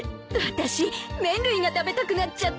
私麺類が食べたくなっちゃった。